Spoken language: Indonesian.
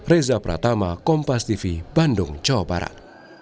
reza pratama kompas tv bandung jawa barat